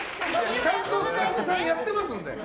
ちゃんとスタッフさんやってますんで！